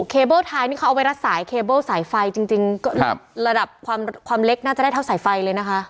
นี่เขาเอาไว้ละสายสายไฟจริงจริงครับระดับความความเล็กน่าจะได้เท่าสายไฟเลยนะคะ